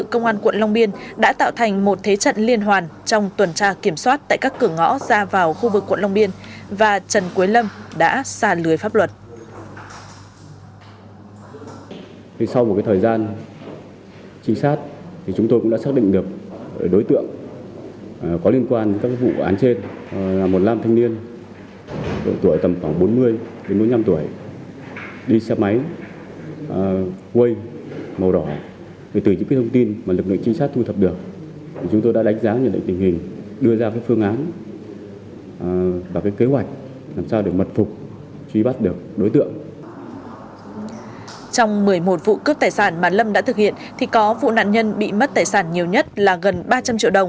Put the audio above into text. cơ quan cảnh sát điều tra công an quận long biên đã ra quyết định tạm giữ hình sự lâm